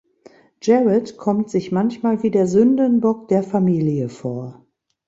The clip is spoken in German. Jared kommt sich manchmal wie der Sündenbock der Familie vor.